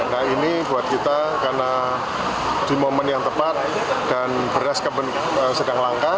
nah ini buat kita karena di momen yang tepat dan beras sedang langka